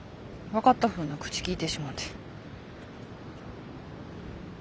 分かったふうな口きいてしもうて。